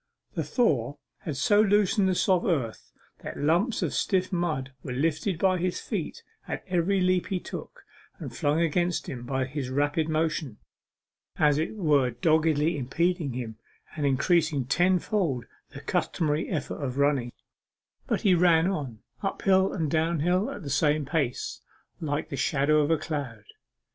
The thaw had so loosened the soft earth, that lumps of stiff mud were lifted by his feet at every leap he took, and flung against him by his rapid motion, as it were doggedly impeding him, and increasing tenfold the customary effort of running, But he ran on uphill, and downhill, the same pace alike like the shadow of a cloud.